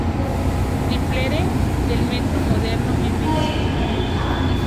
Difiere del metro moderno en medio centímetro.